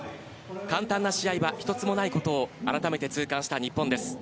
簡単な試合は１つもないことを改めて痛感した日本です。